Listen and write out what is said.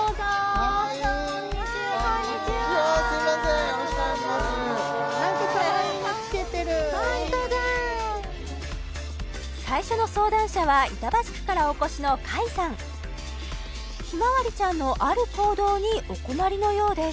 かわいいのつけてるホントだ最初の相談者は板橋区からお越しの甲斐さんひまわりちゃんのある行動にお困りのようです